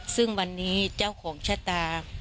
ซึ่งวันนี้เจ้าของชะตา